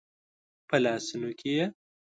په لاسونو کې یې